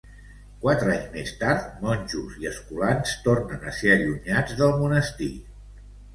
Quatre anys més tard, monjos i escolans tornen a ser allunyats del monestir.